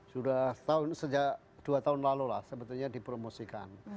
sudah sejak dua tahun lalu lah sebetulnya dipromosikan